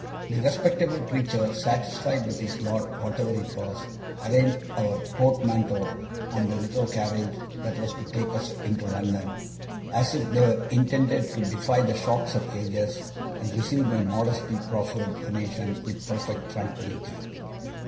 The respectable creature, satisfied with his lot whatever it was, arranged our portmanteaux on the little carriage that was to take us into London, as if they were intended to defy the shocks of ages, and received my modestly proffered donation with perfect tranquillity.